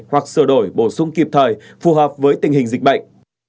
hoặc sửa đổi bổ sung kịp thời phù hợp với tình hình dịch bệnh